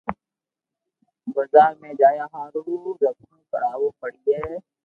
بزار م جايا هارون رڪۮه ڪراوئ پڙو هي